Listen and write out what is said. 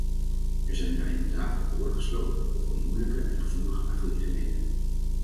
Er zijn daar inderdaad akkoorden gesloten over moeilijke en gevoelige aangelegenheden.